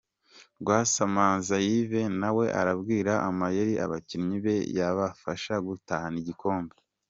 Rwasamanzi Yves nawe arabwira amayeri abakinnyi be yabafasha gutahana igikombe.